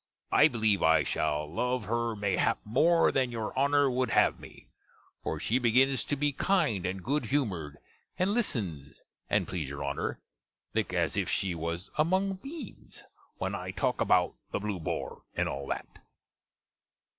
I believe I shall love her mayhap more than your Honner would have me; for she begins to be kind and good humered, and listens, and plese your Honour, licke as if she was among beans, when I talke about the Blew Bore, and all that.